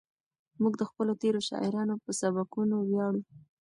موږ د خپلو تېرو شاعرانو په سبکونو ویاړو.